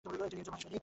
তিনি একজন ভাষাসৈনিক।